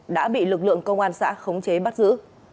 đã bị lực lượng công an xã khống chế bắt giữ